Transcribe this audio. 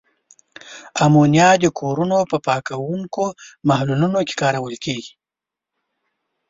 امونیا د کورونو په پاکوونکو محلولونو کې کارول کیږي.